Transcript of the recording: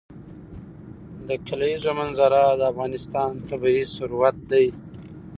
د کلیزو منظره د افغانستان طبعي ثروت دی.